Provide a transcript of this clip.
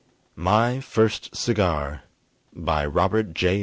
MY FIRST CIGAR BY ROBERT J.